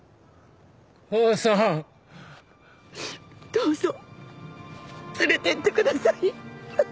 どうぞ連れてってください。